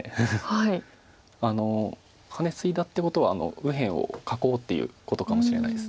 ハネツイだってことは右辺を囲おうっていうことかもしれないです。